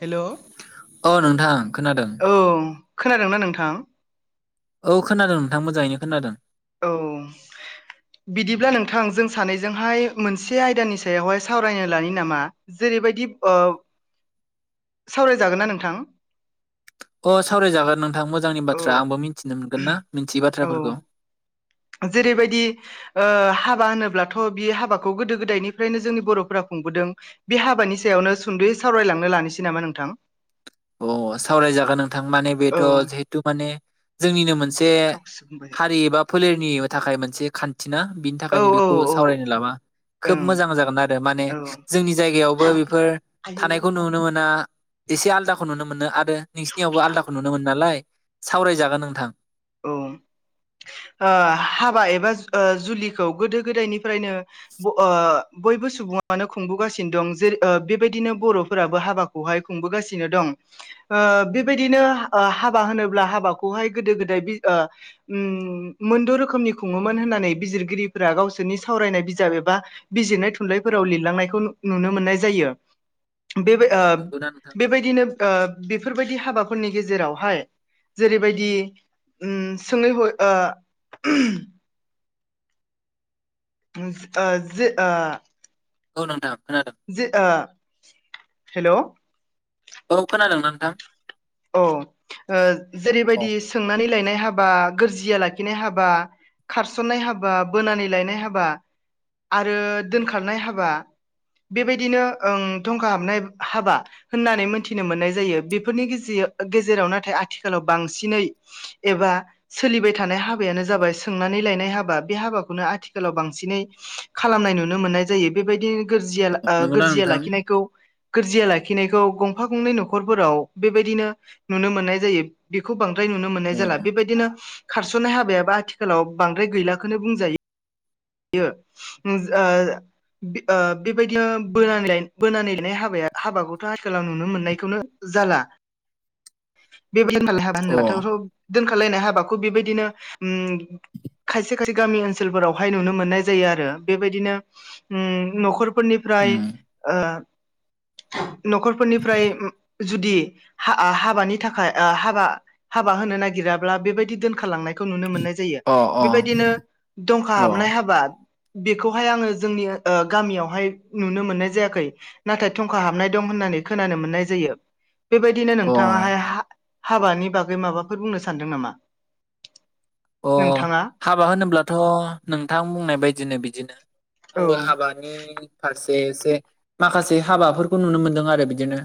हेल' औ अ नोंथां खोनादों खोनादोंना नोंथां। औ खोनादों नोंथां मोजाङैनो खोनादों। औ। बिदिब्ला नोंथां जों सानैजोंहाय मोनसे आयदानि सायावहाय सावरायनो लानि नामा जे। रैबायदि ओ। सावरायजागोन ना नोंथां? अ सावरायजागोन नोंथां मोजांनि औ बाथ्रा आंबो मिथिनो मोनगोन ना मिथियि औ बाथ्राफोरखौ। जेरैबायदि ओ हाबा होनोब्लाथ' बि हाबाखौ गोदो गोदायनिफ्रायनो जोंनि बर'फोरा खुं। बोदों बे हाबानि सायावनो सुंद'यै सावरायलांनो लानोसै नामा नोंथां? अ सावरायजागोन नोंथां माने औ बेथ' जिहेथु माने जोंनिनो मोनसे। हारि एबा फोलेरनि थाखाय मोनसे खान्थि ना बिनि औ थाखायनो औ बेखौ औ सावरायनो लाबा। खोब ओं मोजां जागोन आरो माने औ जोंनि जायगायावबो बेफोर आयौ थानायखौ नुनो गावनो मोना। एसे आलदाखौ नुनो मोनो आरो नोंसिनियावबो फुफिदां आलदाखौ नुनो मोन नालाय सावरायजागोन नोंथां। औ ओ हाबा एबा ओ जुलिखौ गोदो गोदायनि। फ्रायनो। बयबो सुबुङानो खुंबोगासिनो दं जेरै ओ बेबायदिनो बर'फोराबो हाबाखौहाय खुंबोगासिनो दं। ओ बेबायदिनो हाबा ओ होनोब्ला हाबाखौहाय गोदो गोद--। बिद ओम मोनद' रोखोमनि खुङोमोन होननानै बिजिरगिरिफोरा गावसोरनि सावरायनाय। बिजाब एबा बिजिरनाय थुनलाइफोराव लिरलांनायखौ नुनो मोननाय जायो बेबाय--। अ ओब नंगौना नोंथां बेबायदिनो। ओब बेफोरबायदि हाबाफोरनि गेजेरावहाय जेरैबायदि। उम सोङै हयै ओ ओ जोओ। औ नोंथां। खोनादों जे ओ हेलौ। औ खोनादोंना नोंथां। अ ओ औ जेरैबायदि सोंनानै लायनाय। हाबा गोरजिया लाखिनाय हाबा खारस'नाय हाबा बोनानै लायनाय हाबा। आरो दोनखारनाय हाबा। बेबायदिनो ओं धंखा हाबनाय हाबा होननानै मोनथिनो मोननाय जायो बेफोरनि गेजेर--। [unintelligible] गेजेराव नाथाय आथिखालाव बांसिनै एबा सोलिबाय थानाय हाबायानो जाबाय सो--। सोंनानै लायनाय हाबा बे हाबाखौनो आथिखालाव बांसिनै खालामनाय नुनो मोननाय जायो बेबायदि--। गोरजिया ओ नंगौना गोरजिया नोंथां लाखिनायखौ गोरजिया लाखिनायखौ गंफा गंनै न'खरफोराव। बेबायदिनो नुनो मोननाय जायो बेखौ बांद्राय नुनो मोननाय अ जाला बेबायदिनो। खारस'ननाय हाबायाबो आथिखालाव बांद्राय गैलाखोनो बुंजायो। बियो ओम जा--। ओ बेबायदिनो बोनानै लायनाय हाबाया हाबाखौथ' आथिखालाव नुनो मोननायखौनो। जाला [unintelligible] [unintelligible] अ दोनखारलायनाय हाबाखौ बेबायदिनो ओम खायसे खायसे गामि ओनसोलफोराव। हाय नुनो मोननाय जायो आरो बेबायदिनो ओम न'खरफोरनिफ्राय उम ओ। न'खरफोरनिफ्राय ओम। जुदि हा ओ हाबानि थाखाय ओ हाबा हाबा होनो नागिराब्ला बेबायदि दोनखारलांनाय। खो नुनो मोननाय जायो अ बेबायदिनो दंखा अ हाबनाय हाबा बेखौहाय आङो जोंनि ओ गामियावहाय नुनो मोननाय जायाखै नाथाय थंखा हाबनाय दं होननानै खोनानो मोननाय जायो। बेबायदिनो अ नोंथाङाहाय हा-हाबानि बागै माबाफोर बुंनो सानदों नामा? अ नोंथाङा हाबा होनोब्लाथ' नोंथां बुंनाय बायदिनो बिदिनो औ आंबो हाबानि फारसे एसे माखासे हाबाफोरखौ नुनो मोनदों आरो बिदिनो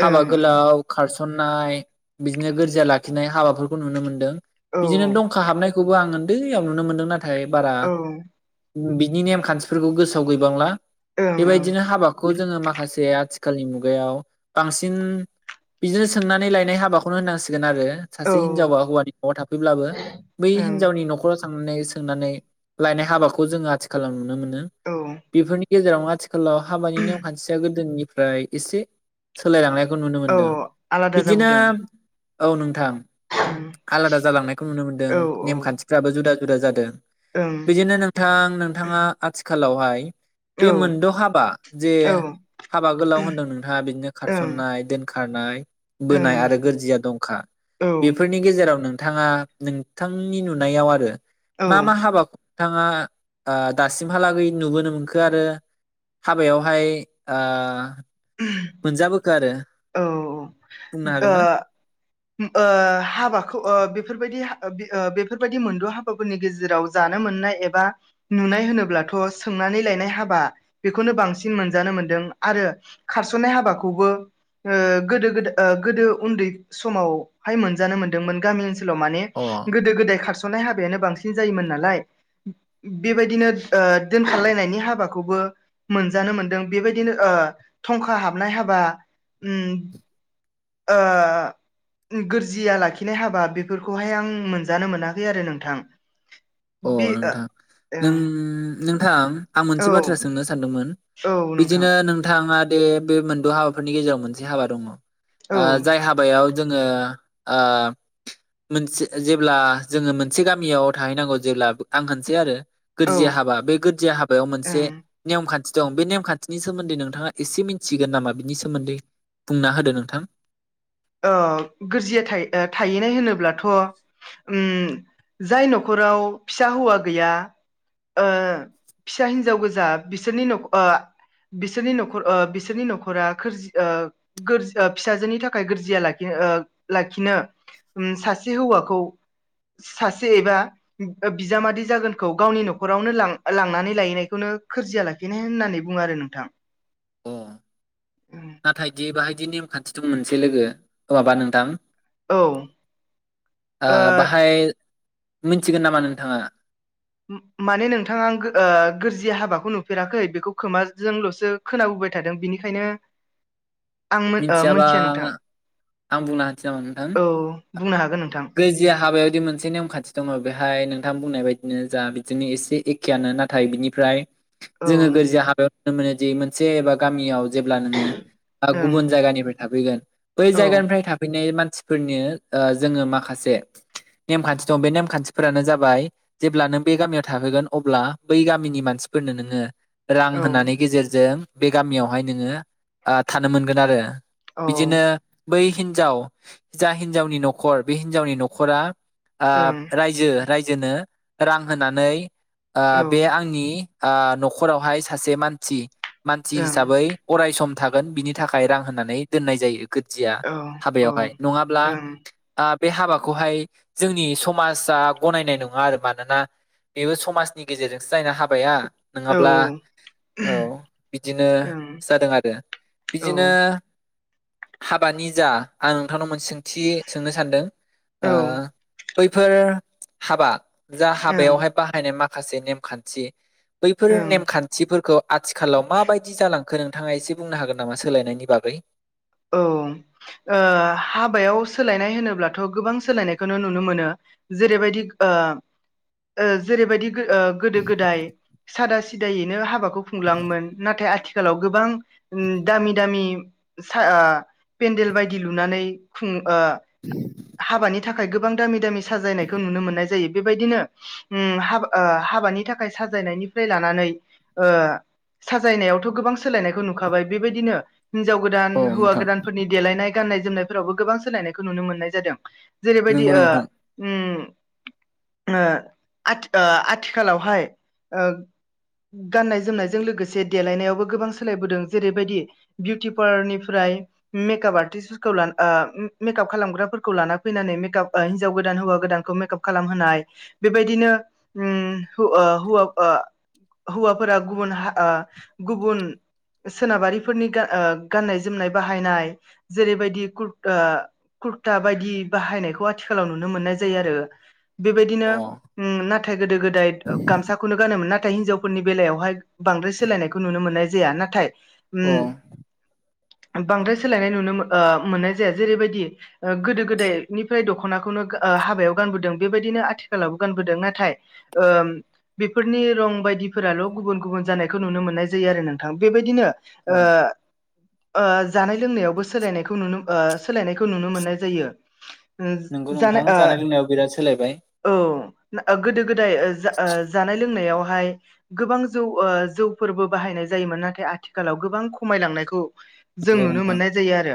हाबा ओं गोलाव खारसन्नाय बिदिनो गोरजिया लाखिनाय हाबाफोरखौ नुनो मोनदों। बिदिनो ओं दं खौबो आं उन्दैयाव नुनो मोनदों नाथाय बारा औ ओं बिनि नेम खान्थिफोरखौ गोसोआव गैबांला ओं बेबायदिनो हाबाखौ खौ जोंङो माखासे आथिखालनि मुगायाव बांसिन इदिनो सोंनानै लायनाय हाबाखौनो होननांसिगोन आरो औ सासे हिनजावा हौवानि न'आव थाफैब्लाबो बै हिनजावनि न'खराव। थांनानै सोंनानै लायनाय हाबाखौ जोंङो आथिखालाव नुनो मोनो ओं बेफोरनि गेजेरावनो आथि खालाव हाबानि नेम खान्थिया गोदोनिफ्राय इसे सोलायलांनायखौ नुनो औ मोनदों आलादा जाबोदों इदिनोब औ नोंथां ओं आलादा जालांनायखौ नुनो मोन्दों औ नेमखान्थिफ्राबो जुदा जुदा जादो। ओं बिदिनो नोंथां नोंथाङा आथिखालावहाय औ बे मोनद' हाबा जे औ ओं हाबा गोलाव होनदों नोंथाङा बिदिनो खारसननाय दोन खारनाय बोनाय ओं आरो गोरजिया दंखा औ बेफोरनि गेजेराव नोंथाङा नों बिथांनि नुनायाव आरो औ मा मा हाबाख नोंथाङा ओ दासिमहालागै नुबोनो मोनखो आरो हाबायावहाय ओ मोनजाबोखो आरो औ औ बुंनो हागोन ओ ना? ओ हाबाखौ ओ बेफोरबायदि ओ बेफोरबायदि मोनद' हाबाफोरनि गेजेराव जानो मोननाय एबा नुनाय होनोब्लाथ' सोंनानै लायनाय हाबा बेखौनो बांसिन मोनजानो मोन्दों आरो खारस'नाय हाबाखौबो ओ गोदो गोदो ओ गोदो उन्दै समावहाय मोनजानो मोनदोंमोन गामि ओनसोलाव माने अ गोदो गोदाय खारस'नाय हाबायानो बांसिन जायोमोन नालाय बेबायदिनो ओ दोनखारलायनायनि हाबाखौबो मोनजानो मोनदों बेबायदिनो ओ थंखा हाबनाय हाबा उम ओह गोरजिया लाखिनाय हाबा बेफोरखौहाय आं मोनजानो मोनाखै आरो नोंथां। बे अह ओ नोंथां नों नोंथां आं मोनसे ओं बाथ्रा सोंनो सानदोंमोन औ नोंथां बिदिनो नोंथाङा बे बे मोनद' हाबाफोरनि गेजेराव मोनसे हाबा दङ ओ औ जाय हाबायाव जोङो आ मोनसे जेब्ला जोङो मोनसे गामियाव थाहैनांगौ जेब्ला आं होनसै आरो औ गोर्जिया हाबा बे गोर्जिया हाबायाव मोनसे ओं नेम खान्थि दं बे नेमखान्थिनि सोमोन्दै नोंथाङा एसे मिथिगोन नामा बिनि सोमोन्दै बुंना होदो नोंथां ओ गोरजिया थाय थाहैनाय होनोब्लाथ' उम जाय न'खर राव फिसा हौवा गैया ओ फिसा हिनजाव गोजा बिसोरनि न'ख ओ बिसोरनि न'खर ओ बिसोरनि न'खरा खोरजि ओ गोरजि फिसाजोनि थाखाय थाखाय गोरजिया ओ लाखि लाखिनो उम सासे हौवाखौ सासे एबा बिजामादै जागोनखौ गावनि न'खरावनो लां लांनानै लाहैनायखौनो खोरजिया लाखिनाय होननानै बुङो आरो नोंथां। अ नाथाय दि बाहायदि नेमखान्थि दं मोनसे लोगो अ माबा नोंथां औ ओ बाहाय मिनथिगोन नामा नोंथाङा माने नोंथाङा ओ गोरजि हाबाखौ नुफेराखै बेखौ खोमाजोंल'सो खोनाबो। थादों बेनिखायनो। आं ओ मिथियाबा मोनथिया नोंथां आं बुंना होनसै नामा नोंथां औ। बुंनो हागोन नोंथां गोजिया हाबायावदि मोनसे नेमखान्थि दङ बेहाय नों। थां बुंनाय बायदिनो जा बिदिजोंनो एसे एखेयानो नाथाय बिनिफ्राय जोङो औ गोरजिया हाबायाव। नुनो मोनोदि मोनसे एबा गामियाव जेब्ला नोङो गुबुन ओं जायगानिफ्राय थाफैगोन। बै औ जायगानिफ्राय थाफैनाय मानसिफोरनि जोङो माखासे। नेमखान्थि दं बे नेमखान्थिफोरानो जाबाय जेब्ला नों बे गामियाव थााहैगोन अब्ला बै गामिनि मानसि। फोरनो नोङो । रां औ होननानै गेजेरजों बे गामियावहाय नोङो ओ थानो मोनगोन आरो। औ बिदिनो बै हिन्जाव जा हिनजावनि न'खर बे हिनजावनि न'खरा। ओं ओ रायजो रायजोनो रां होनानै ओ औ बे ओं आंनि। ओ न'खरावहाय सासे मानसि मानसि औ हिसाबै अराय सम। थागोन बिनि थाखाय रां होननानै दोननाय जायो गोर्जिया औ ओं हाबायावहाय औ नङाब्ला। ओं बे हाबाखौहाय जोंनि समाजा गनायनाय नङा आरो मानोना। बेबो समाजनि गेजेरजोंसो जायोना हाबाया औ नङाब्ला। औ बिदिनो जादों आरो बिदिनो। हाबानि जा आं नोंथांनाव मोनसे सोंथि सोंनो सानदों ओ। ओं बैफोर हाबा जा हाबायावहाय बाहायनाय माखासे नेमखान्थि। बैफोर ओं नेमखान्थिफोरखौ। आथिखालाव माबायदि जालांखो नोंथाङा एसे बुंनो हागोन नामा सोलायनायनि बागै। औ। ओ हाबायाव सोलायनाय होनोब्लाथ' गोबां सोलायनायखौनो नुनो मोनो जेरैबायदि। ओ ओ जेरैबायदि। गोदो गोदाय सादा सिदायैनो हाबाखौ खुंलाङोमोन नाथाय आथि- खालाव गोबां दामि दामि पेन्देल बायदि लुनानै हाबानि थाखाय गोबां दामि दामि साजायनायखौ नुनो मोननाय जायो बेबायदिनो हाबानि थाखाय साजायनायनिफ्राय लानानै साजायनायावथ' गोबां सोलायनायखौ नुखाबाय बेबायदिनो हिनजाव औ गोदान हौवा नोंथां गोदानफोरनि देलायनाय गाननाय जोमनायफोरावबो गोबां सोलायनायखौ नुनो मोननाय जादों जेरैबायदि नंगौ नोंथां आथिखालावहाय गाननाय जोमनायजों लोगोसे देलायनायावबो गोबां सोलायबोदों जेरैबायदि बिउटि पारलारनिफ्राय मेकआप आर्टिसफोरखौ मेकआप खालामग्राफोरखौ लाना फैनानै मेकआप हिन्जव गोदान हौवा गोदानखौ मेकआप खालामहोनाय बेबायदिनो हौ- वा हौवाफोरा गुबुन गुबुन सोनाबारिफोरनि गाननाय जोमनाय बाहायनाय जेरैबायदि कुर कुरथा बायदि बाहायना- यखौ आथिखालाव नुनो मोननाय जायो आरो बेबायदिनो अ नाथाय गोदो गोदाय गामसाखौनो गानोमोन ना- थाय हिनजावफोरनि बेलायावहाय बांद्राय सोलायनायखौ नुनो मोननाय जाया नाथाय उम अ [inaudible] बांद्राय सोलायनाय नुनो मोननाय जाया जेरैबायदि गोदो गोदायनिफ्राय दख'नाखौनो हाबायाव गानबोदों बेबायदिनो आथिखालावबो गानबोदों नाथाय बेफोरनि रं बायदि फोराल' गुबुन गुबुन जानायखौ नुनो मोननाय जायो आरो नोंथां बेबायदिनो अ जानाय लोंनायावबो सोलायनायखौ नुनो सोलायनायखौ नुनो मोननाय जायो नंगौ जानो नोंथां जानाय लोंनायाव बिराद सोलायबाय औ गोदो गोदाय जानाय लोंनायावहाय गोबां जौ जौफोरबो बाहायनाय जायोमोन नाथाय आथिखालाव गोबां खमायलांनाय खौ जों नंगौ नुनो नोंथां मोननाय जायो आरो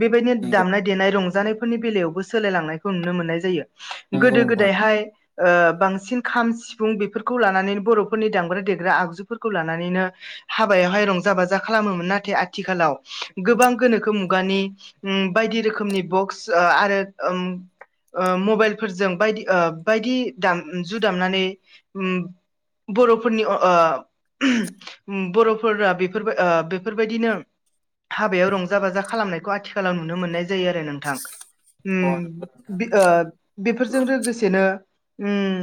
बेबायदिनो नंगौ दामनाय देनाय रं- जानायफोरनि बेलायावबो सोलायलांनायखौ नुनो मोननाय जायो नंगौ गोदो नोंथां गोदायहाय ओ बांसिन खाम सिफुं बेफोरखौ लानानैनो बर'फोरनि दामग्रा देग्रा आगजुफोरखौ लानानैनो हाबायावहाय रंजा बाजा खालामोमोन नाथाय आ थिखालाव गोबां गोनोखो मुगानि ओ बायदि रोखोमनि बक्स आरो ओम ओ मबाइलफोरजों ओ बायदि बायदि दामजु दामनानै ओम बर'फोरनि अ ओ बर'फोरा बेफोर ओ बेफोरबायदिनो हाबायाव रंजा बाजा खालामनायखौ आथिखालाव नुनो मोननाय जायो आरो नोंथां। अ ओम नंगौ नोंथां ओ बेफोरजों लोगोसेनो ओम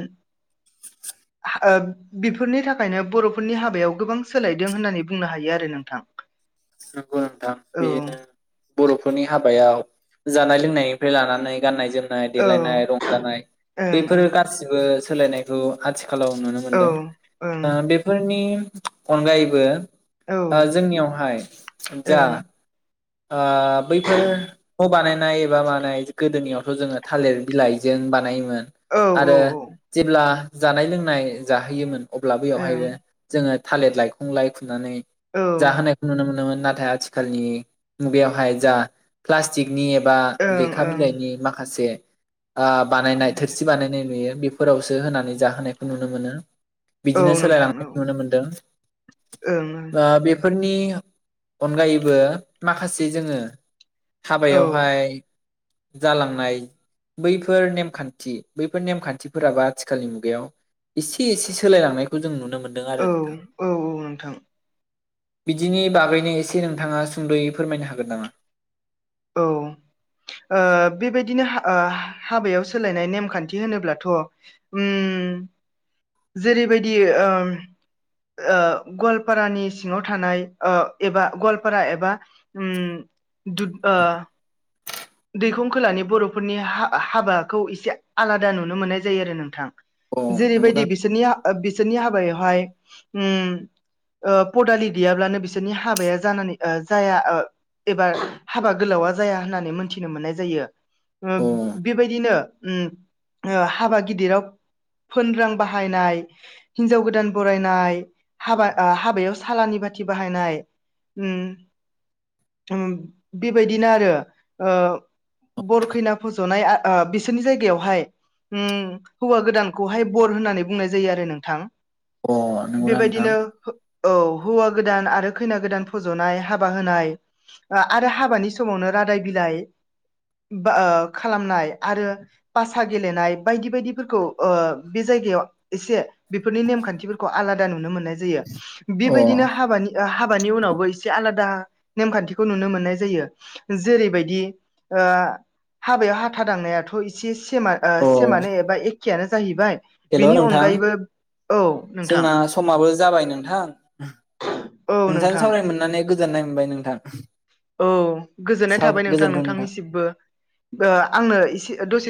[inaudible] ओ बिफोरनि थाखायनो बर'फोरनि हाबायाव गोबां सोलायदों होननानै बुंनो हायो आरो नोंथां। औ बिदिनो बर'फोरनि हाबायाव जानाय लोंनायनिफ्राय लानानै गाननाय जोम - नाय औ देलायनाय रंजानाय ओं बेफोर गासिबो सोलायनायखौ आथि खालाव नुनो मोनदों। ओं ओ बेफोरनि अनगायैबो औ ओं जोंनियावहाय औ जा ओं आ बैफोर ख' बानायन नाय एबा मानाय गोदोनियावथ' जोङो थालिर बिलाइजों बानायोमोन। औ औ आरो जेब्ला जानाय लोंनाय जाहोयोमोन अब्ला ओं बेयावहायबो जोङो थालिर लायखं लाय खुनानै औ जाहोनायखौ नुनो मोनोमोन। नाथाय आथिखालनि मुगायावहाय जा प्लासटिक नि एबा ओं लेखा ओं बिलाइनि माखासे आ औ बानायनाय थोरसि बानायनाय नुयो बेफोरावसो होनानै जाहोनायखौ नुनो मोनो। बिदिनो नोंथां सोलायलांनाय औ नुनो मोनदों। ओं बा बे फोरनि अनगायैबो माखासे जोङो ओं हाबायावहाय जालांनाय बैफोर नेमखान्थि बैफोर नेमखान्थिफोराबो आथिखालनि मुगायाव एसे एसे सोलायलांनायखौ जों नु औ औ औ नोंथां। बिदिनि बागैनो एसे नोंथाङा सुंद'यै फोरमायनो हागोन नामा? औ। ओ बेबायदिनो आ हाबायाव सोलायनाय नेमखान्थि होनोब्लाथ' उम ओम जेरैबायदि ओ ओ गवालपारानि सिङाव थानाय ओ एबा गवालपारा एबा उम दुद ओ दैखं खोलानि बर'फोरनि हा-हाबाखौ एसे आलादा नुनो मोननाय जायो आरो नोंथां। अ जेरैबायदि नंगौदा बिसोरनि बिसोरनि हाबायावहाय उम ओ पदालि गैयाब्लानो बिसोरनि हाबाया जानानै ओ जाया ओ एबा हाबा गोलावा जाया होननानै मोनथिनो मोननाय जायो। ओ अ बेबायदिनो उम ओ हाबा गिदिराव फोन रां बाहायनाय हिनजाव गोदान बरायनाय हाबा हाबायाव सालानि बा खाथि बाहायनाय उम उम बेबायदिनो आरो ओ बरखैना फज'नाय बिसोरनि जायगायावहाय उम हौवा गोदानखौहाय बर होननानै बुंनाय जायो आरो नोंथां। अ नंगौना नोंथां बेबायदिनो हो औ हौवा गोदान आरो खैना गोदान फज'नाय हाबा होनाय आ-आरो हाबानि समावनो रादाय बिलाय बा ओ खालामनाय आरो पासा गेलेनाय बायदि बायदिफोरखौ ओ बे जाय जायगायाव एसे बेफोरनि नेम खान्थिफोरखौ आलादा नुनो मोननाय जायो। अ बेबायदिनो हाबानि हाब बानि उनावबो आलादा नेमखानथिखौ नुनो मोननाय जायो। जेरैबायदि ओ हाबायाव हाथा दांनायाथ' एसे अ सेमा-ओ-सेमानो एबा एखेयानो जाहैबाय। हेल' बेनि नोंथां अनगायैबो औ नोंथां जोंना समाबो जाबाय नोंथां। औ नोंथाजों नोंथां सावरायनो मोननानै गोजोननाय मोनबाय नोंथां। औ गोजोननाय साव थाबाय नोंथां गोजोन्थों नोंथांनिसिबो ओ आंनो एसे दसे